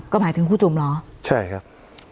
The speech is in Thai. ก็หมายถึงครูจุ่มเหรอใช่ครับ